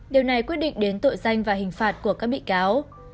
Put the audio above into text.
điều này quyết định đến tội danh và hình phạt của các bị cáo